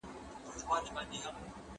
مال باید د خلګو ترمنځ وګرځي.